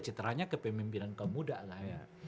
citranya kepemimpinan ke muda lah